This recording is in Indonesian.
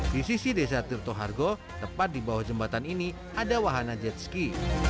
di sisi desa tirtohargo tepat di bawah jembatan ini ada wahana jet ski